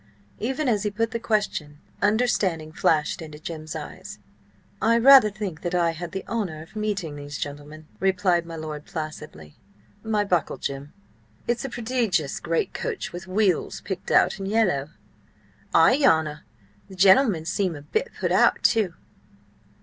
Even as he put the question, understanding flashed into Jim's eyes. "I rather think that I have had the honour of meeting these gentlemen," replied my lord placidly. "My buckle, Jim. ... Is't a prodigious great coach with wheels picked out in yellow?" "Ay, your honour. The gentlemen seem a bit put out, too."